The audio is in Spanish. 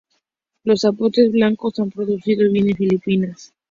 Los zapotes blancos no han producido bien en las Filipinas.